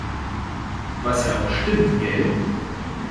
Was ja auch stimmt. Gell?